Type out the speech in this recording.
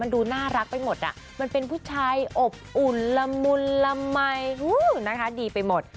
ดูน่ารักไปหมดอ่ะมันเป็นผู้ชายอบอุ่นละมุนละมัยนะคะดีไปหมด